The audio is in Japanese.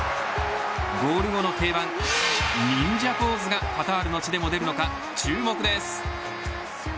ゴール後の定番忍者ポーズがカタールの地でも出るのか注目です。